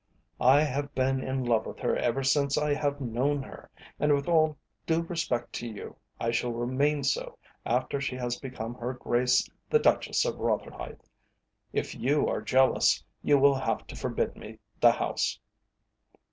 "I have been in love with her ever since I have known her, and with all due respect to you, I shall remain so after she has become Her Grace the Duchess of Rotherhithe. If you are jealous, you will have to forbid me the house."